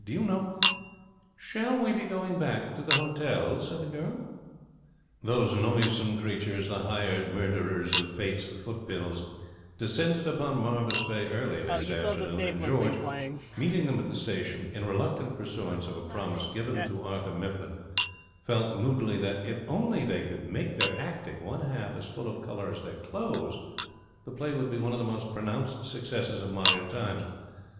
'Do you know ' 'Shall we be going back to the hotel?' said the girl. Those noisome creatures, the hired murderers of Fate's Footpills, descended upon Marvis Bay early next afternoon, and George, meeting them at the station, in reluctant pursuance of a promise given to Arthur Mifflin, felt moodily that, if only they could make their acting one half as full of colour as their clothes, the play would be one of the most pronounced successes of modern times.